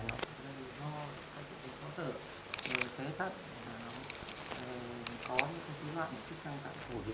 các yếu tố có thể là phế thận mà nó có những cái dấu đoạn chức năng tạng thủ